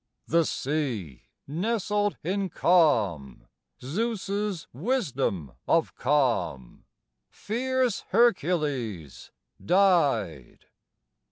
The sea nestled in calm, Zeus's wisdom of calm, Fierce Hercules died!